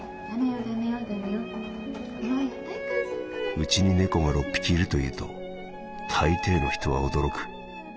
「うちに猫が六匹いると言うと大抵の人は驚く。